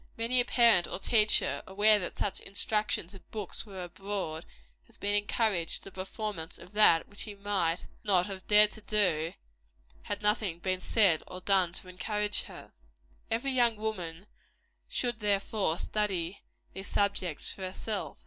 Many a parent or teacher, aware that such instructions and books were abroad, has been encouraged to the performance of that which she might not have dared to do, had nothing been said or done to encourage her. Every young woman should, therefore, study these subjects for herself.